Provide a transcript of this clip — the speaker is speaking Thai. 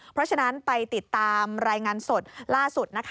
เพราะฉะนั้นไปติดตามรายงานสดล่าสุดนะคะ